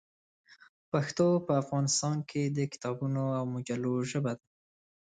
پښتو په افغانستان کې د کتابونو او مجلو ژبه ده.